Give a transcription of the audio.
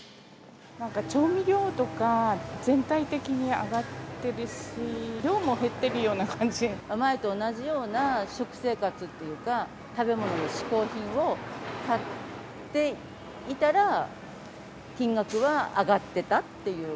なんか調味料とか、全体的に上がってるし、量も減ってるよう前と同じような食生活っていうか、食べ物、しこう品を買っていたら、金額は上がってたっていう。